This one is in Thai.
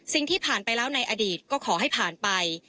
สิ่งที่ผ่านไปแล้วในอดีตก็ขอให้ผ่านไป